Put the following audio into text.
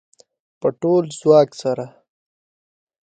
په ټول ځواک سره